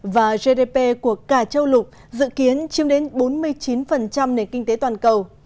và gdp của cả châu lục dự kiến chiếm đến bốn mươi chín nền kinh tế toàn cầu